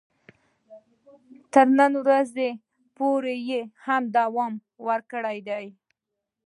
تر نن ورځې پورې یې هم دوام ورکړی دی.